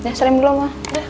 ya salim dulu ma